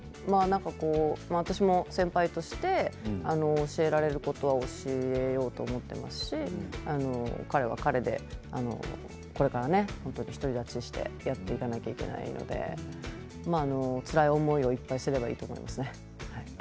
私も先輩として教えられることは教えようと思っていますし彼は彼でこれから独り立ちしてやっていかなくてはいけないのでつらい思いをいっぱいすればいいと思いますね。